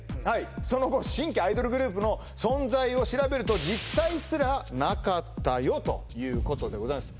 その後新規アイドルグループの存在を調べると実態すらなかったよということでございます